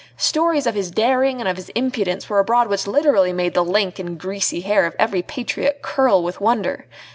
Stories of his daring and of his impudence were abroad which literally made the lank and greasy hair of every patriot curl with wonder.